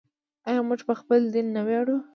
آیا موږ په خپل دین نه ویاړو؟